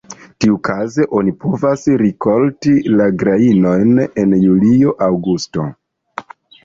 Tiukaze oni povas rikolti la grajnojn en julio-aŭgusto.